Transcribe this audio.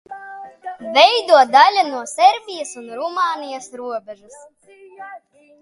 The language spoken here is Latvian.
Veido daļu no Serbijas un Rumānijas robežas.